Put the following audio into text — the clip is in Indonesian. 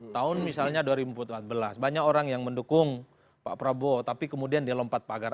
tahun misalnya dua ribu empat belas banyak orang yang mendukung pak prabowo tapi kemudian dia lompat pagar